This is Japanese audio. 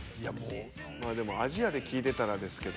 まあでもアジアで聞いてたらですけど。